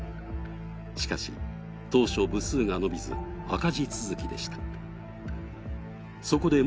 しかし当初、部数が伸びず、赤字続きでした。